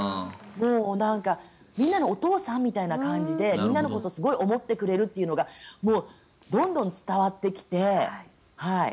みんなのお父さんみたいな感じでみんなのことをすごく思ってくれているのがもう、どんどん伝わってきて。